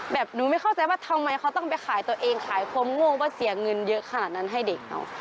แบบหนูไม่เข้าใจว่าทำไมเขาต้องไปขายตัวเองขายความโง่ว่าเสียเงินเยอะขนาดนั้นให้เด็กเอา